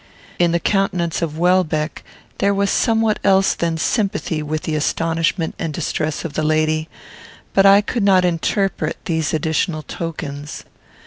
In the countenance of Welbeck, there was somewhat else than sympathy with the astonishment and distress of the lady; but I could not interpret these additional tokens.